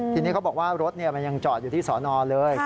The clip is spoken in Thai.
ทีนี้เขาบอกว่ารถมันยังจอดอยู่ที่สอนอเลย